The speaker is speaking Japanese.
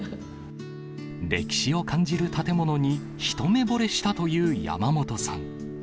歴史を感じる建物に一目ぼれしたという山本さん。